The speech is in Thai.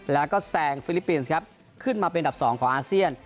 แล้วก็แซงฟิลิปปินส์ครับขึ้นมาเป็นอันดับ๒ของอาเซียน